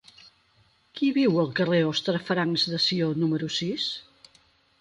Qui viu al carrer d'Hostafrancs de Sió número sis?